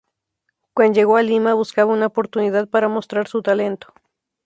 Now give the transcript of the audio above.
Cuando llegó a Lima buscaba una oportunidad para mostrar su talento.